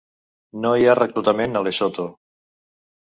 No hi ha reclutament a Lesotho.